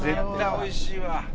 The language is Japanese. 絶対おいしいわ。